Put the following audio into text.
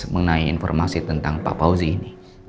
mengenai informasi tentang pak fauzi ini